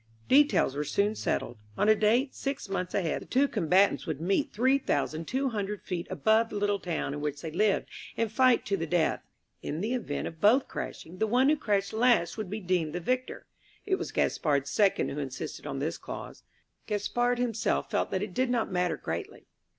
Details were soon settled. On a date six months ahead the two combatants would meet three thousand two hundred feet above the little town in which they lived, and fight to the death. In the event of both crashing, the one who crashed last would be deemed the victor. It was Gaspard's second who insisted on this clause; Gaspard himself felt that it did not matter greatly.